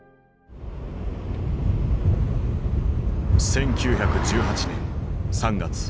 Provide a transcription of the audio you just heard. １９１８年３月。